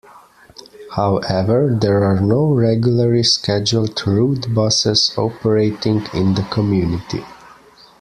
However, there are no regularly scheduled route buses operating in the community.